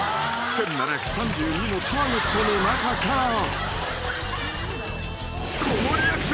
［１，７３２のターゲットの中から］